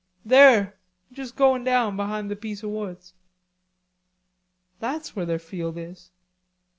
"There, just goin' down behind the piece o' woods." "That's where their field is."